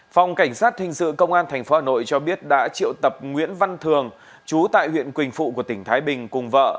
phòng cảnh sát thinh sự công an tp hcm cho biết đã triệu tập nguyễn văn thường chú tại huyện quỳnh phụ của tỉnh thái bình cùng vợ